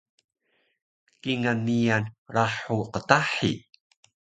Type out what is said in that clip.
Kingal miyan rahul qtahi